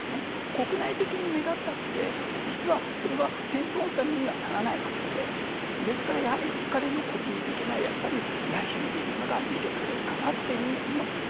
国内的に目立ったってそれは戦争のためにはならないわけでやはり彼の個人的野心というものが見て取れるかなと思います。